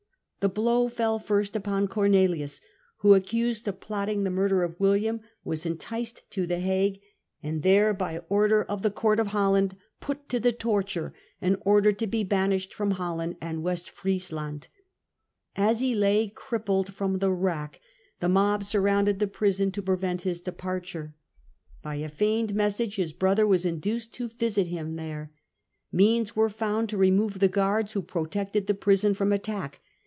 The blow fell first upon Cornelius, who, accused of plotting the murder of William, was enticed to the Hague, and there, by order of the Court of Holland, put to the torture, and ordered to be banished from Holland and West Friesland. As he lay crippled from the rack, the mob surrounded the prison to prevent his departure. By a feigned message his brother was induced to visit him there. Means were found to remove the guards who protected the prison from attack.